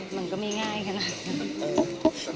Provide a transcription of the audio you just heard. มันก็ไม่ง่ายขนาดนั้น